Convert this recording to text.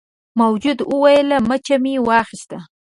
موجود وویل مچه مې واخیسته.